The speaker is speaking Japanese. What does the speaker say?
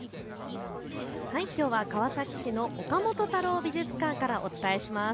きょうは川崎市の岡本太郎美術館からお伝えします。